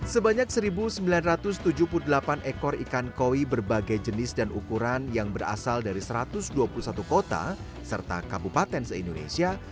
sebanyak satu sembilan ratus tujuh puluh delapan ekor ikan koi berbagai jenis dan ukuran yang berasal dari satu ratus dua puluh satu kota serta kabupaten se indonesia